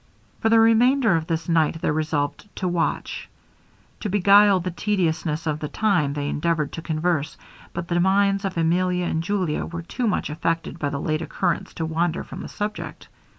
For the remainder of this night they resolved to watch. To beguile the tediousness of the time they endeavoured to converse, but the minds of Emilia and Julia were too much affected by the late occurrence to wander from the subject.